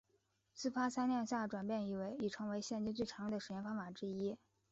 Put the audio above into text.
自发参量下转换已成为现今最常用的实验方法之一。